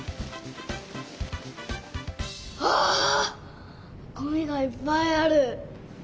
わあごみがいっぱいある！